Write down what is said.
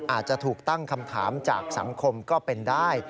อาจจะถูกตั้งคำถามจากสังคมก็เป็นได้